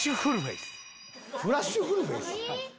フラッシュフルフェイス？